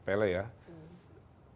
tapi ternyata itu